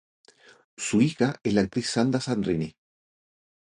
Su hija es la actriz Sandra Sandrini.